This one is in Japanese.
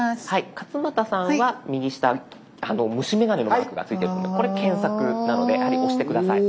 勝俣さんは右下虫眼鏡のマークがついているのでこれ検索なのでやはり押して下さい。